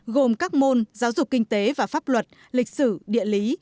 gồm các môn giáo dục kinh tế và pháp luật lịch sử địa lý